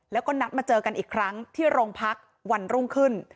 แล้วก็นัดมาเจอกันอีกครั้งที่โรงพักวันรุ่งขึ้น